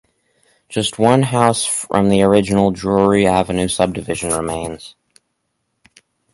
Just one house from the original Drewry Avenue subdivision remains.